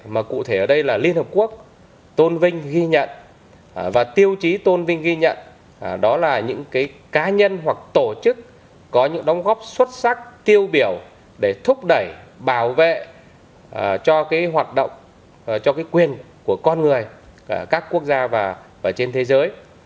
mà cụ thể ở đây là liên hợp quốc tôn vinh ghi nhận và tiêu chí tôn vinh ghi nhận đó là những cái cá nhân hoặc tổ chức có những đóng góp xuất sắc tiêu biểu để thúc đẩy bảo vệ cho cái hoạt động cho cái quyền của con người các quốc gia và trên thế giới